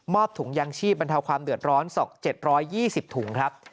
ถุงยางชีพบรรเทาความเดือดร้อน๗๒๐ถุงครับ